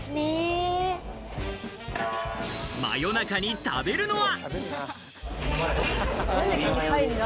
真夜中に食べるのは？